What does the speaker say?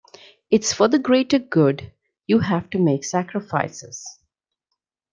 It’s for the greater good, you have to make sacrifices.